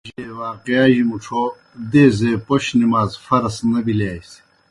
معراج اےْ واقعہ جیْ مُڇھو دیزے پوْش نمازہ فرض نہ بِلِیاسیْ۔